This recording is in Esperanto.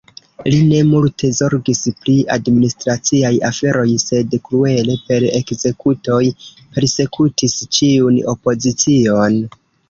Li ne multe zorgis pri administraciaj aferoj, sed kruele per ekzekutoj persekutis ĉiun opozicion.